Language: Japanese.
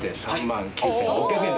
３万９，６００円。